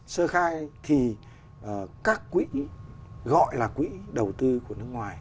sơ khai thì các quỹ gọi là quỹ đầu tư của nước ngoài